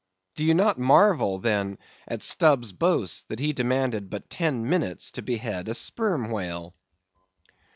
Do you not marvel, then, at Stubb's boast, that he demanded but ten minutes to behead a sperm whale?